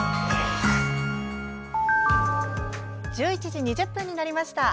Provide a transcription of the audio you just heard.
１１時２０分になりました。